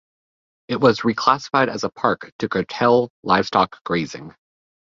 It was re-classified as a park to curtail livestock grazing.